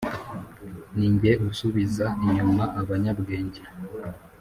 Ni jye usubiza inyuma abanyabwenge